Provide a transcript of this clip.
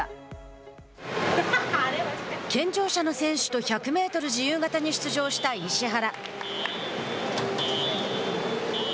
健常者の選手と１００メートル自由形に出場した石原。